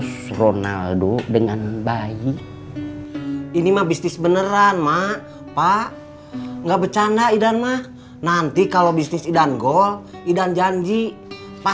sekarang kamu pendiam ya cek